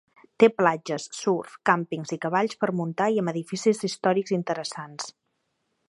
Té platges, surf, càmpings i cavalls per muntar i amb edificis històrics interessants.